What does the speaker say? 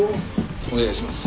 お願いします。